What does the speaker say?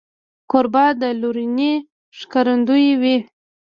کوربه د لورینې ښکارندوی وي.